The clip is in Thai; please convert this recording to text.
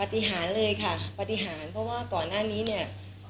ปฏิหารเลยค่ะปฏิหารเพราะว่าก่อนหน้านี้เนี่ย